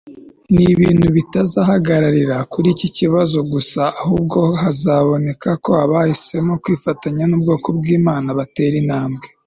Ni abantu batazahagararira kuri iki kibazo gusa ahubwo bazanasaba ko abahisemo kwifatanya nubwoko bwImana batera intambwe